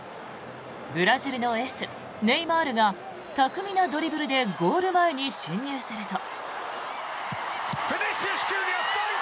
ブラジルのエース、ネイマールが巧みなドリブルでゴール前に進入すると。